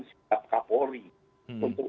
siap kapolri untuk